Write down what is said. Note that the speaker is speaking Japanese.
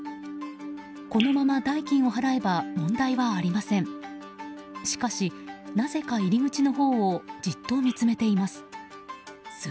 このまま代金を払えば問題はありません。